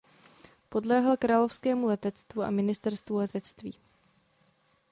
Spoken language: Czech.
Podléhal královskému letectvu a ministerstvu letectví.